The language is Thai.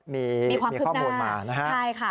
มีความคุกหน้า